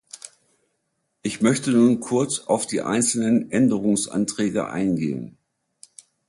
Ich möchte nun kurz auf die einzelnen Änderungsanträge eingehen.